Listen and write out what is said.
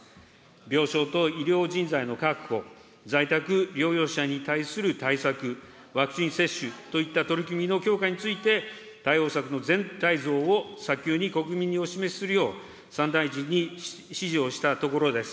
病床と医療人材の確保、在宅療養者に対する対策、ワクチン接種といった取り組みの強化について、対応策の全体像を早急に国民にお示しするよう、３大臣に指示をしたところです。